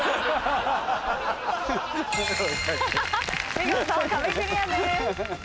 見事壁クリアです。